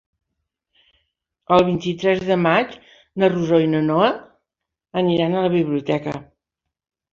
El vint-i-tres de maig na Rosó i na Noa aniran a la biblioteca.